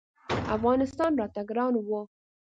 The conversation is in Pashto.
افغانستان راته ګران و.